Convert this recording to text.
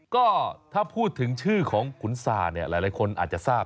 ก็พูดถึงชื่อของขุนศาหลายคนอาจจะทราบ